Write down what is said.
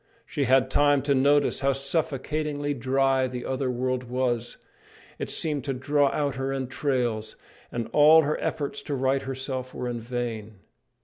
She had time to notice how suffocatingly dry the other world was. It seemed to draw out her entrails, and all her efforts to right herself were in vain.